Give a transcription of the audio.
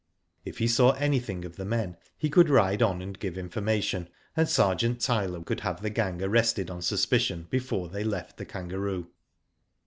If he saw anything of the men he could ride on and give information, and Sergeant Tyler could have the gang arrested on suspicion before they left " The Kangaroo."